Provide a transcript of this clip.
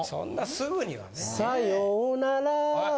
そんなすぐには。